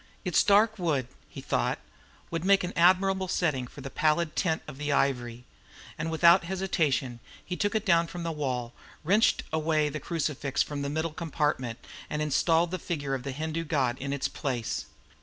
Its dark wood, he thought, would make an admirable setting to the pallid tint of the ivory; and without hesitation he took it down from the wall, wrenched away the crucifix from the middle compartment, and installed the figure of the Hindu god in its place.